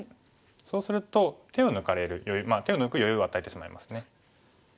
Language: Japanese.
そうすると手を抜かれる手を抜く余裕を与えてしまいますね。